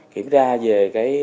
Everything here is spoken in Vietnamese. kiểm tra về